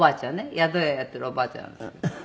宿屋やっているおばあちゃん。